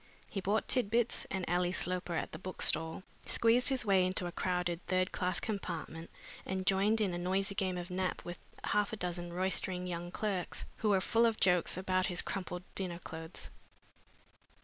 He bought Tit bits and Ally Sloper at the bookstall, squeezed his way into a crowded third class compartment, and joined in a noisy game of nap with half a dozen roistering young clerks, who were full of jokes about his crumpled dinner clothes.